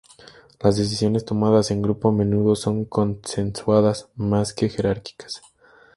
Las decisiones tomadas en grupo a menudo son consensuadas más que jerárquicas.